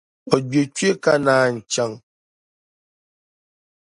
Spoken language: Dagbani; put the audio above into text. O gbe kpe ka naan chaŋ.